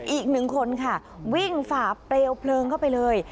อีกหนึ่งคนค่ะวิ่งฝ่าเปลวเพลิงเข้าไปเลย